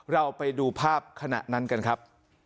เราไปดูภาพขณะนั้นกันครับ